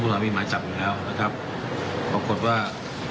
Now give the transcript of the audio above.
เพิ่มต่างมีไหมจับอยู่แล้วนะครับบอกว่า